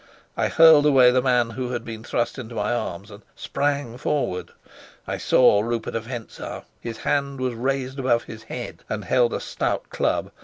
I hurled away the man who had been thrust into my arms and sprang forward. I saw Rupert of Hentzau; his hand was raised above his head and held a stout club.